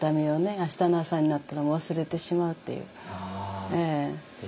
明日の朝になったらもう忘れてしまうっていうええ。